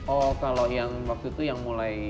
oh kalau yang waktu itu yang mulai